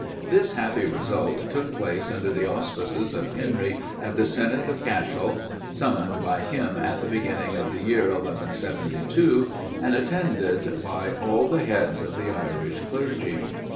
This happy result took place, under the auspices of Henry, at the synod of Cashel, summoned by him at the beginning of the year 1172, and attended by all the heads of the Irish clergy.